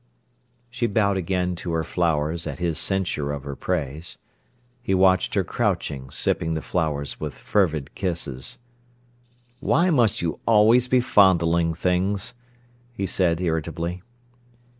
She bowed again to her flowers at his censure of her praise. He watched her crouching, sipping the flowers with fervid kisses. "Why must you always be fondling things?" he said irritably.